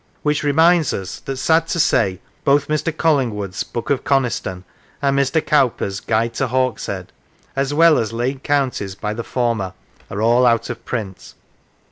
Which reminds us that, sad to say, both Mr. Colling wood 's " Book of Coniston " and Mr. Cowper's " Guide to Hawkshead," as well as " Lake Counties," by the former, are all out of print.